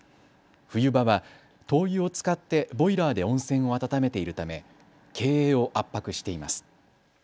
冬場は灯油を使ってボイラーで温泉を温めているため経営を圧迫しています。